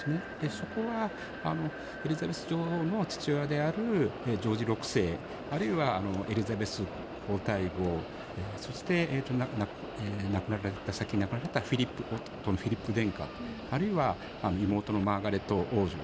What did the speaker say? そこはエリザベス女王の父親であるジョージ６世あるいはエリザベス皇太后そして先に亡くなられた夫のフィリップ殿下あるいは妹のマーガレット王女